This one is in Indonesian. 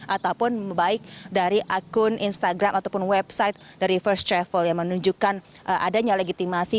ataupun baik dari akun instagram ataupun website dari first travel yang menunjukkan adanya legitimasi